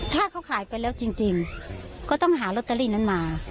ถ้าเขาขายไปแล้วจริงก็ต้องหาลอตเตอรี่นั้นมา